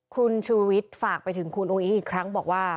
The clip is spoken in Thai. คุณชูวิทย์ฝากไปถึงคุณอุ้งอิ๊งอีกครั้งบอกว่า